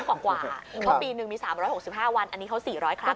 เพราะปีหนึ่งมี๓๖๕วันอันนี้เขา๔๐๐ครั้ง